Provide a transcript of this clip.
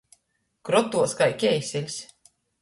Krotuos kai keiseļs.